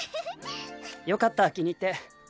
よかった気に入って。